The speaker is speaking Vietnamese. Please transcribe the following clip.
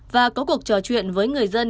và có cuộc trò chuyện với người dân